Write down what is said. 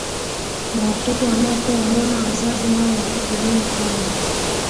Na watoto wanapowaona wazazi wao wakitumia pombe